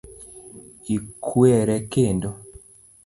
Ikwere kendo.